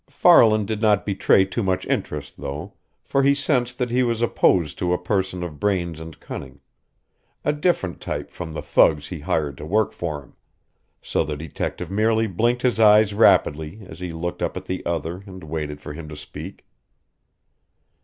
Farland did not betray too much interest, though, for he sensed that he was opposed to a person of brains and cunning, a different type from the thugs he hired to work for him. So the detective merely blinked his eyes rapidly as he looked up at the other and waited for him to speak.